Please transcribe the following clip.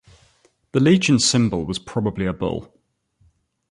The legion's symbol was probably a bull.